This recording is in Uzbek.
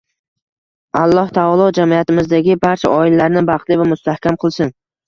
Alloh taolo jamiyatimizdagi barcha oilalarni baxtli va mustahkam qilsin!